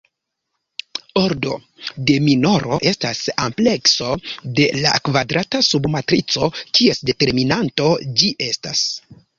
Ordo de minoro estas amplekso de la kvadrata sub-matrico kies determinanto ĝi estas.